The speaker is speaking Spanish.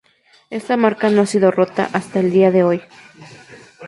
Ésta marca no ha sido rota hasta el día de hoy.